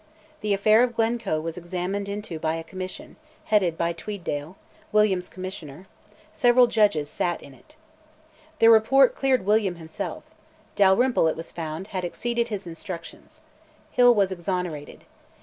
The affair of Glencoe was examined into by a Commission, headed by Tweeddale, William's Commissioner: several Judges sat in it. Their report cleared William himself: Dalrymple, it was found, had "exceeded his instructions." Hill was exonerated.